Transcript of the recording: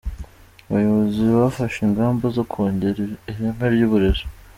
Abayobozi bafashe ingamba zo kongera ireme ry'uburezi.